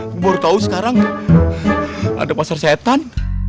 aku baru tahu sekarang ada pasar setan